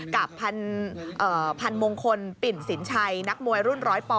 กับพันมงคลปิ่นสินชัยนักมวยรุ่น๑๐๐ป